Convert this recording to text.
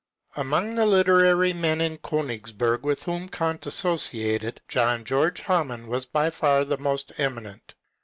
Among the literary men in Konigsberg with whom Kant associated, John George Hamann was by far the most eminent.